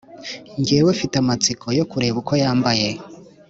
Njyewe mfite amatsiko yo kureba uko yambaye